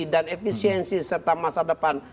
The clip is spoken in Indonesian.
dan efisiensi serta masa depan